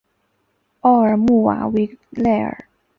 奥尔穆瓦维莱尔。